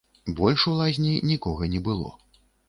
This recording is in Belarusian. Больш у лазні нікога не было.